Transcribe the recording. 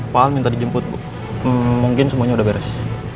pak al minta dijemput mungkin semuanya udah beres